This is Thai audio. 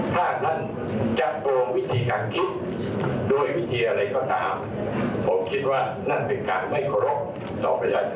ถ้านั้นจะโปร่งวิธีการคิดโดยวิธีอะไรก็ได้